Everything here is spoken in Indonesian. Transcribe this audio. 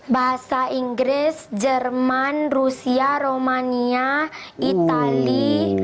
bahasa inggris jerman rusia romania itali